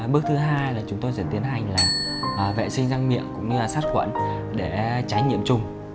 bước thứ hai là chúng tôi sẽ tiến hành là vệ sinh răng miệng cũng như sát quẩn để tránh nhiễm trùng